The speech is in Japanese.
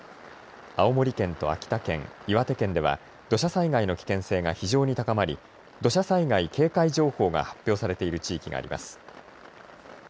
青森県と秋田県、岩手県では土砂災害の危険性が非常に高まり土砂災害警戒情報が発表されている地域があります。